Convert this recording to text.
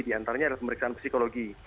diantaranya adalah pemeriksaan psikologi